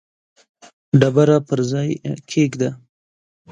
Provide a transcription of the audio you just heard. ډبره پر ځای کښېږده.